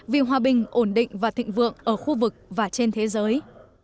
vì hòa bình ổn định và thịnh vượng ở khu vực và trên thế giới